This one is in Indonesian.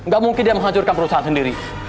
gak mungkin dia menghancurkan perusahaan sendiri